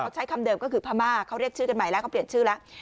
ใช้คำเดิมก็คือพม่าเขาเรียกชื่อกันใหม่แล้วเขาเปลี่ยนชื่อแล้ว